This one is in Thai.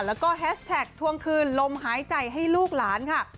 แล้วก็แฮชแท็กทวงคืนลมหายใจให้ลูกหลานค่ะ